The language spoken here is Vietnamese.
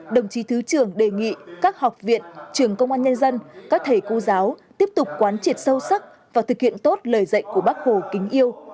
đồng chí thứ trưởng đề nghị các học viện trường công an nhân dân các thầy cô giáo tiếp tục quán triệt sâu sắc và thực hiện tốt lời dạy của bác hồ kính yêu